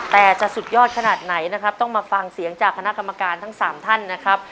แต่จะสุดยอดขนาดไหนนะครับต้องมาฟังเสียงจากคณะกรรมการทั้ง๓ท่านนะครับ